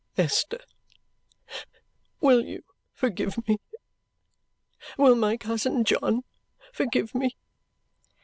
"Esther, will you forgive me? Will my cousin John forgive me?"